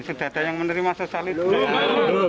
sudah ada yang menerima sosialisasi